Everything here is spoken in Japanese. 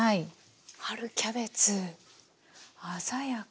春キャベツ鮮やか。